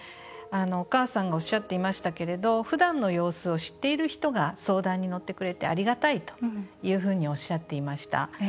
お母さんがおっしゃっていましたけれどふだんの様子を知っている人が相談に乗ってくれてありがたいというふうにおっしゃっていました。